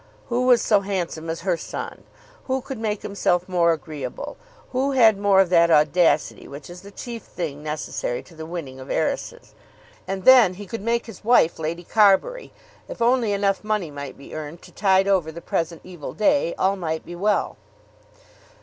Who was so handsome as her son? Who could make himself more agreeable? Who had more of that audacity which is the chief thing necessary to the winning of heiresses? And then he could make his wife Lady Carbury. If only enough money might be earned to tide over the present evil day, all might be well.